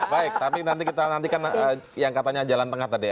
baik tapi nanti kita nantikan yang katanya jalan tengah tadi ya